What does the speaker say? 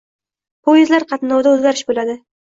Poyezdlar qatnovida o‘zgarish bo‘ladi